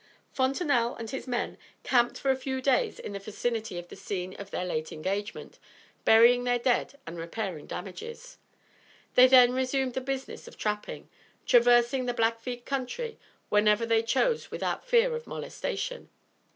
Fontenelle and his men camped for a few days in the vicinity of the scene of their late engagement, burying their dead and repairing damages. They then resumed the business of trapping, traversing the Blackfeet country whenever they chose without fear of molestation.